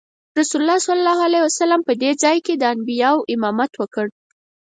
رسول الله صلی الله علیه وسلم په دې ځای کې د انبیاوو امامت وکړ.